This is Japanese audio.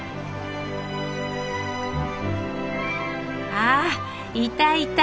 あっいたいた！